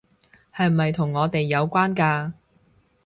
係咪同我哋有關㗎？